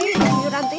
terima kasih tante